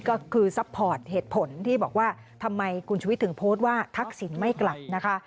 ก็คือซัพพอร์ตเหตุผลที่บอกว่าทำไมคุณชุวิตถึงโพสต์ว่าทักษิณไม่กลับนะคะ